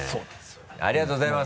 ありがとうございます。